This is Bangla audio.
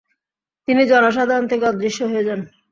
তিনি জনসাধারণ থেকে অদৃশ্য হয়ে যান।